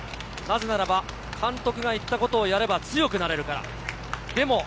なぜならば監督が言ったことをやれば強くなれるから。